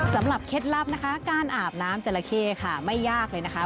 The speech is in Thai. เคล็ดลับนะคะการอาบน้ำจราเข้ค่ะไม่ยากเลยนะคะ